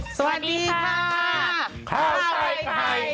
สวัสดีค่ะข้าวไทยไทย